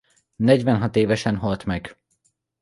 Negyvenhat évesen halt meg.